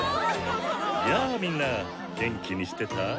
やあみんな元気にしてた？